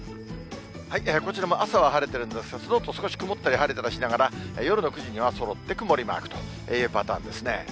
こちらも朝は晴れてるんですが、そのあと少し曇ったり晴れたりしながら、夜の９時にはそろって曇りマークというパターンですね。